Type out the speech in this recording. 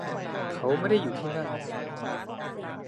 เขาไม่ได้อยู่ที่นั่น